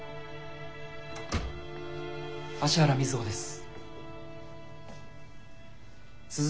芦原瑞穂です。